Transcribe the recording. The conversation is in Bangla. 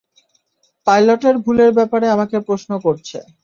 পাইলটের ভুলের ব্যাপারে আমাকে প্রশ্ন করছে।